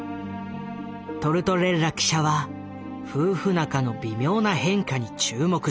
トルトレッラ記者は夫婦仲の微妙な変化に注目した。